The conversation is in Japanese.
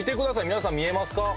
皆さん見えますか？